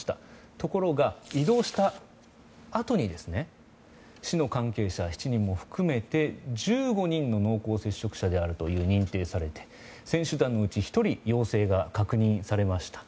ところが、移動したあとに市の関係者７人を含めて１５人の濃厚接触者があると認定されて、選手団のうち１人陽性が確認されました。